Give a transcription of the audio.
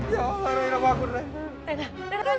ya allah raina bangun raina